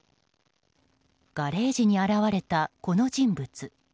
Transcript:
ガレージに現れた、この人物。